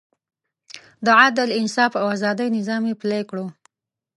د عدل، انصاف او ازادۍ نظام یې پلی کړ.